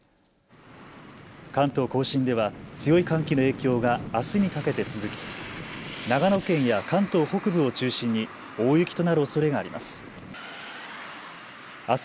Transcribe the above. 関東甲信では強い寒気の影響があすにかけて続き長野県や関東北部を中心に大雪となるおそれがあります。